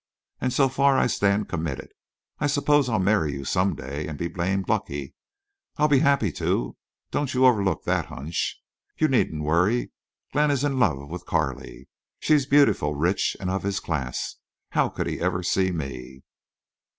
"And so far I stand committed. I suppose I'll marry you some day and be blamed lucky. I'll be happy, too—don't you overlook that hunch.... You needn't worry. Glenn is in love with Carley. She's beautiful, rich—and of his class. How could he ever see me?"